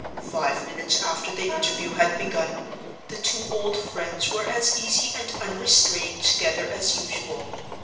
Five minutes after the interview had begun, the two old friends were as easy and unrestrained together as usual.